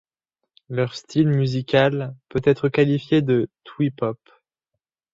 Leur style musical peut être qualifié de twee pop.